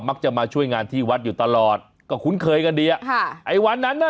มักจะมาช่วยงานที่วัดอยู่ตลอดก็คุ้นเคยกันดีอ่ะค่ะไอ้วันนั้นน่ะ